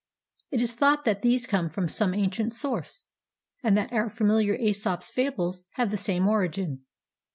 It is thought that these come from some ancient source, and that our familiar ".Esop's Fables" have the same origin.